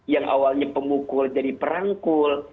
yang awalnya pemukul jadi perangkul